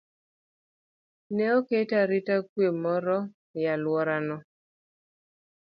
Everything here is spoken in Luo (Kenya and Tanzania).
ne oket arita kwe moromo e alworano.